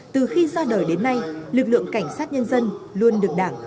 từ khi ra đời đến nay lực lượng cảnh sát nhân dân luôn được đảng